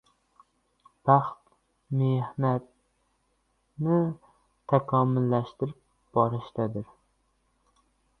Baxt mehnatni takomillashtirib borishdadir.